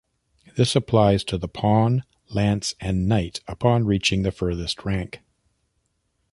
This applies to the pawn, lance and knight upon reaching the furthest rank.